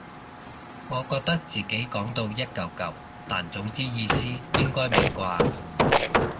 我覺得自己講到一嚿嚿但總之意思應該明啩